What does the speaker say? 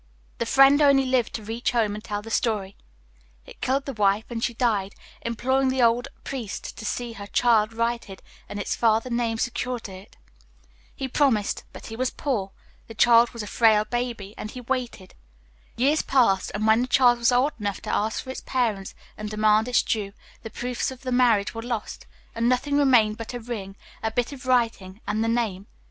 "The friend only lived to reach home and tell the story. It killed the wife, and she died, imploring the old priest to see her child righted and its father's name secured to it. He promised; but he was poor, the child was a frail baby, and he waited. Years passed, and when the child was old enough to ask for its parents and demand its due, the proofs of the marriage were lost, and nothing remained but a ring, a bit of writing, and the name.